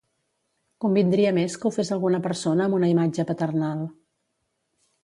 Convindria més que ho fes alguna persona amb una imatge paternal.